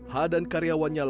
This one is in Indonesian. ha dan karyawannya lalu